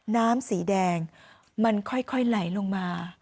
น้ำสีแดงมันค่อยไหลลงมา